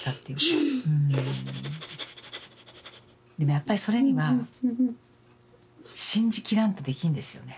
やっぱりそれには信じきらんとできんですよね。